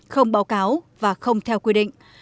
không báo cáo và không theo quy định